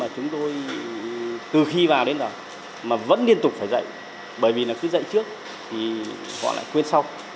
trung tâm vẫn liên tục phải dạy bởi vì cứ dạy trước thì họ lại quên sau